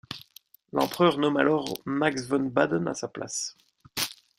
L'empereur nomme alors Max von Baden à sa place.